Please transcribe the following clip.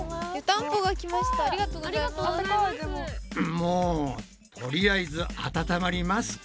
もうとりあえず温まりますか。